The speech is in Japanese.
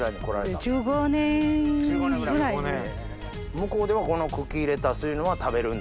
向こうではこの茎レタスいうのは食べるんですか？